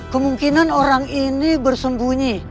kemungkinan orang ini bersembunyi